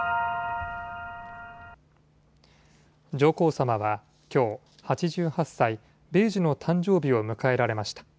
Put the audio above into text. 上皇さまはきょう８８歳・米寿の誕生日を迎えられました。